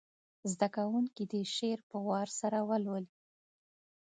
زده کوونکي دې شعر په وار سره ولولي.